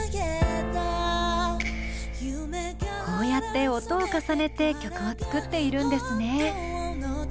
こうやって音を重ねて曲を作っているんですね。